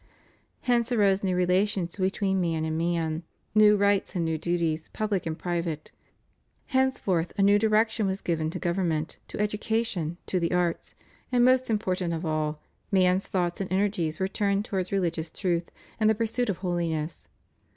Hence arose new relations between man and man; new rights and new duties, public and private; henceforth a new direc tion was given to government, to education, to the arts; and most important of all, man's thoughts and energies were turned towards rehgious truth and the pursuit of holi ness.